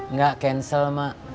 nggak cancel mak